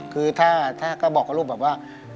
คือถ้าก็บอกกับลูกแบบว่า